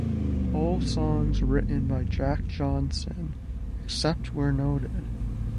All songs written by Jack Johnson, except where noted.